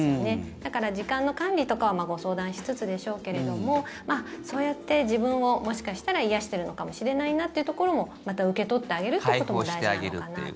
だから時間の管理とかはご相談しつつでしょうけれどもそうやって自分をもしかしたら癒やしているのかもしれないなというところもまた受け取ってあげるということも大事なのかなと。